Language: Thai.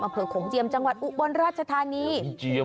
อะเผลอโขงเจียมจังหวัดอุปวรรณราชธานี